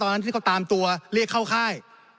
ตอนที่เขาตามตัวเรียกเข้าค่าย